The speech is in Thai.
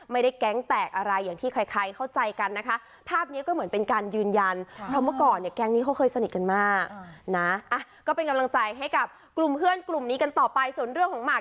ไม่ได้แก๊งแตกอะไรอย่างที่ใครเข้าใจกันนะคะ